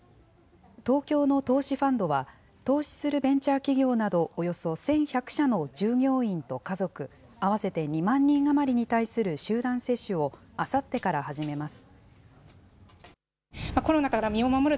東京の投資ファンドは、投資するベンチャー企業などおよそ１１００社の従業員と家族、合わせて２万人余りに対する集団接種をあさってから始めます。